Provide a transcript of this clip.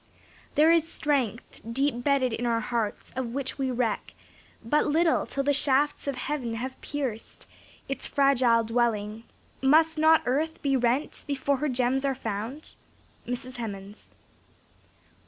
"There is strength, Deep bedded in our hearts, of which we reck But little till the shafts of heaven have pierc'd Its fragile dwelling. Must not earth be rent Before her gems are found?" MRS. HEMANS.